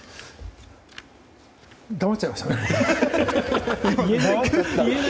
黙っちゃいましたね。